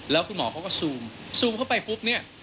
แล้วคุณหมอเขาก็ซูมซูมเข้าไปปุ๊บเนี่ย